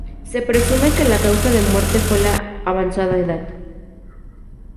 Se presume que la causa de muerte fue la avanzada edad.